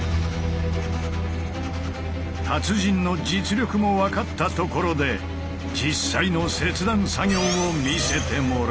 達人の実力も分かったところで実際の切断作業を見せてもらう！